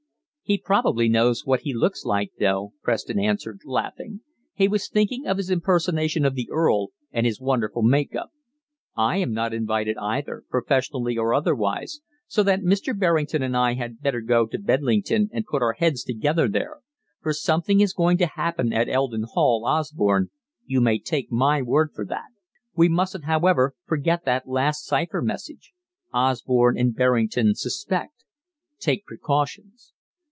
"He probably knows what he looks like, though," Preston answered, laughing he was thinking of his impersonation of the Earl, and his wonderful make up. "I am not invited either, professionally or otherwise, so that Mr. Berrington and I had better go to Bedlington and put our heads together there, for something is going to happen at Eldon Hall, Osborne, you may take my word for that. We mustn't, however, forget that last cypher message: 'Osborne and Berrington suspect; take precautions.'